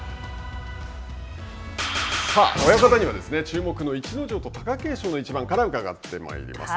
さあ親方には注目の逸ノ城と貴景勝の一番からうかがってまいります。